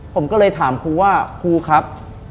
ผมก็เลยถามครูว่าครูครับ